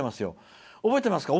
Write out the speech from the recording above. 「覚えてますか？」。